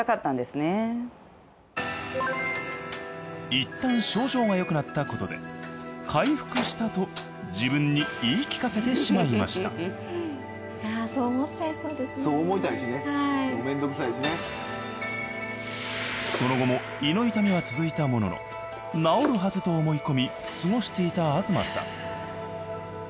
一旦症状がよくなったことで回復したと自分に言い聞かせてしまいましたその後も胃の痛みは続いたものの治るはずと思い込み過ごしていた東さん。